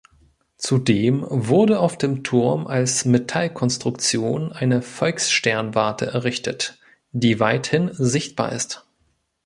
Zudem wurde auf dem Turm als Metallkonstruktion eine Volkssternwarte errichtet, die weithin sichtbar ist.